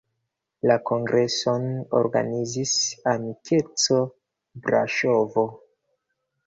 La kongreson organizis "Amikeco Braŝovo".